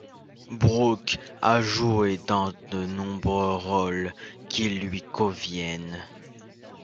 Brooke a joué dans de nombreux rôles qui lui conviennent.